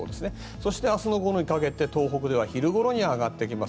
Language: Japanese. そして、明日の午後にかけて東北には昼ごろには上がってきます。